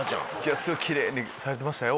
すごいキレイにされてましたよ。